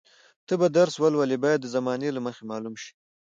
ته به درس ولولې باید د زمانې له مخې معلوم شي.